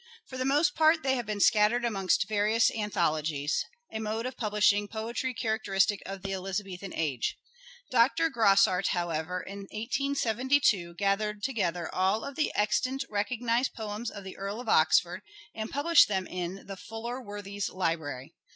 For the most part they have been scattered amongst various anthologies ; a mode of publishing poetry characteristic of the Elizabethan age. Dr. Grosart, however, in 1872 gathered together all the extant recognized poems of the Earl of Oxford and published them in the " Fuller Worthies' Library.